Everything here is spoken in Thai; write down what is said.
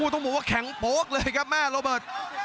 ต้องบอกว่าแข็งโป๊กเลยครับแม่โรเบิร์ต